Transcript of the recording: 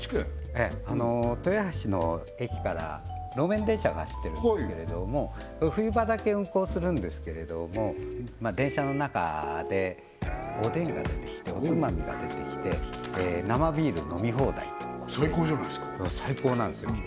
ええ豊橋の駅から路面電車が走ってるんですけれども冬場だけ運行するんですけれども電車の中でおでんが出てきておつまみが出てきて生ビール飲み放題最高じゃないですか最高なんですよ